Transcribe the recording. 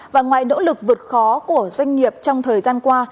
và ngoài nỗ lực vượt khó của doanh nghiệp trong thời gian qua